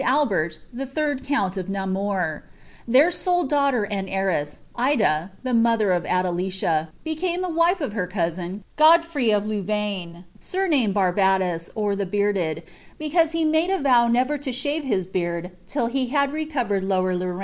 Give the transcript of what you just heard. VIberL, the third count of Namur^ and their sole daughter and hriim, Ida, (the motlier of Adelicia,) became the wife of her cousin, Go(trn>jr of Louvtine, Humsnied Batbatus, or the Bearded, because be hftd nude a row never to shave his beard till he had recorered Lower il Herooriala.